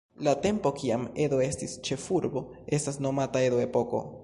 La tempo kiam Edo estis ĉefurbo, estas nomata Edo-epoko.